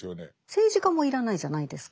政治家も要らないじゃないですか。